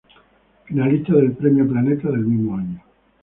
Finalista del Premio Planeta del mismo año.